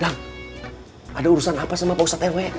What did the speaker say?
dang ada urusan apa sama pak ustadz rw